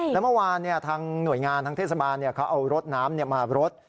แล้วเมื่อวานทางหน่วยงานทางเทศบาลเขาเอารถน้ำมารด